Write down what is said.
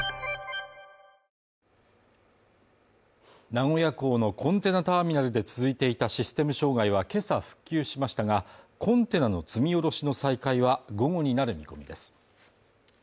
名古屋港のコンテナターミナルで続いていたシステム障害は今朝復旧しましたが、コンテナの積み降ろしの再開は、午後になる見込みです。